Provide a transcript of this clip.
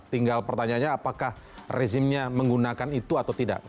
tinggal pertanyaannya apakah rezimnya menggunakan itu atau tidak